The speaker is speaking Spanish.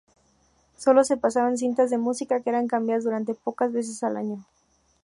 Solo se pasaban cintas de música que eran cambiadas durante pocas veces al año.